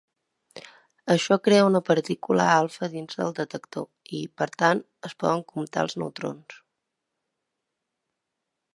Això crea una partícula alfa dins del detector i, per tant, es poden comptar els neutrons.